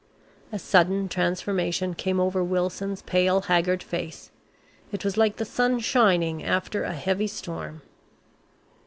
A sudden transformation came over Wilson's pale, haggard face. It was like the sun shining after a heavy storm.